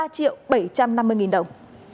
ba triệu bảy trăm năm mươi nghìn đồng